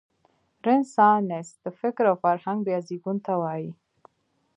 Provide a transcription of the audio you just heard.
رنسانس د فکر او فرهنګ بیا زېږون ته وايي.